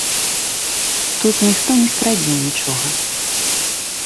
Тут ніхто не скрадзе нічога.